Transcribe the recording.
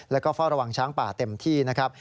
แล้วก็เฝ้าระวังช้างป่าเต็มที่นะครับ